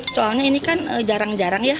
soalnya ini kan jarang jarang ya